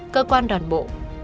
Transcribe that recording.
cơ quan đoàn bộ